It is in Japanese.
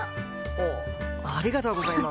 あありがとうございま。